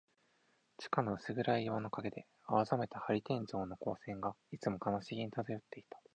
地下の薄暗い岩の影で、青ざめた玻璃天井の光線が、いつも悲しげに漂っていた。